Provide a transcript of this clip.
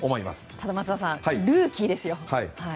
ただ、松田さんルーキーですよ。